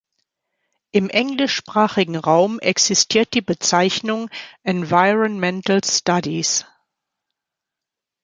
Im englischsprachigen Raum existiert die Bezeichnung „environmental studies“.